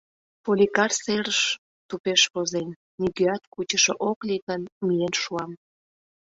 Поликар серыш тупеш возен: «Нигӧат кучышо ок лий гын, миен шуам.